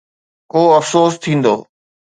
ڪو افسوس ٿيندو؟